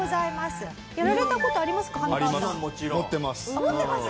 あっ持ってます？